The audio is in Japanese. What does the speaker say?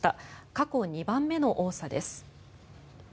過去２番目の多さです。